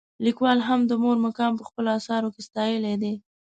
لیکوالو هم د مور مقام په خپلو اثارو کې ستایلی دی.